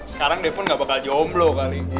sekarang defon gak bakal jomblo kali